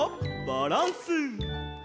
バランス！